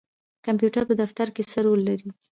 کمپیوټر په دفتر کې څه رول لري؟